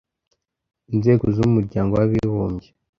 inzego z umryango w'abibumbye